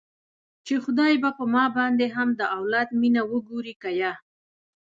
چې خداى به په ما باندې هم د اولاد مينه وګوري که يه.